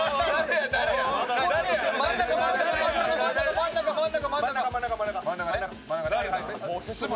真ん中、真ん中。